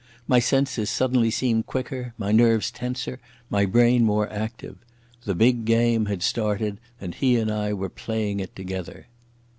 My senses suddenly seemed quicker, my nerves tenser, my brain more active. The big game had started, and he and I were playing it together.